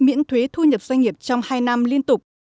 miễn thuế thu nhập doanh nghiệp trong hai năm liên tục